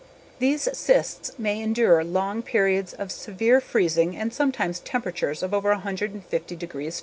These cysts may endure long periods of severe freezing and sometimes temperatures of over 150 degree F.